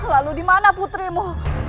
lalu di mana putrimu